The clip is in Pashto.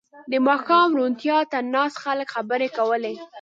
• د ماښام روڼتیا ته ناست خلک خبرې کولې.